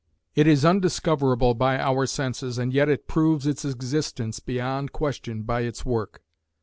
It is undiscoverable by our senses and yet it proves its existence beyond question by its work.